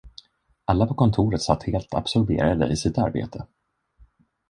Alla på kontoret satt helt absorberade i sitt arbete.